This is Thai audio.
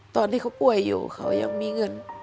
ตอนที่เขาป่วยอยู่เขายังมีเงิน